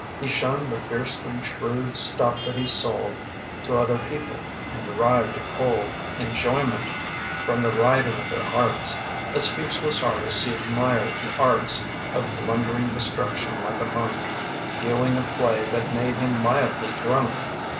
He shunned the fiercely shrewd stuff that he sold To other people, and derived a cold Enjoyment from the writhing of their hearts. A speechless artist, he admired the arts Of blundering destruction, like a monk Viewing a play that made him mildly drunk.